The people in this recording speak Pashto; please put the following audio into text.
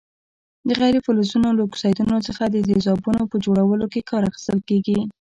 د غیر فلزونو له اکسایډونو څخه د تیزابونو په جوړولو کې کار اخیستل کیږي.